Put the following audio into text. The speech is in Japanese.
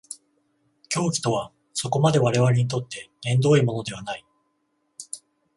狂気とはそこまで我々にとって縁遠いものではない。